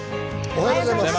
おはようございます。